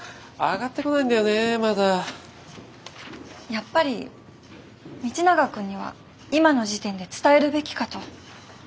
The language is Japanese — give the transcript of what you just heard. やっぱり道永君には今の時点で伝えるべきかと。